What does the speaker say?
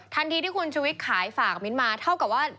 ทันทีที่คุณชุวิตขายฝากมิ้นมาเท่ากับว่า